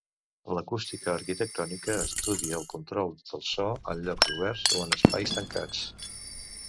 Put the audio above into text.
L'acústica arquitectònica estudia el control del so en llocs oberts o en espais tancats.